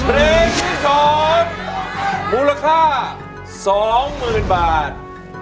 เพลงที่สองมูลค่าสองหมื่นบาท